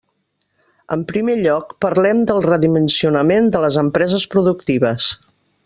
En primer lloc, parlem del redimensionament de les empreses productives.